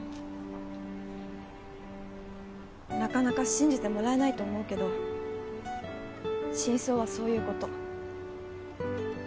なかなか信じてもらえないと思うけど真相はそういうこと。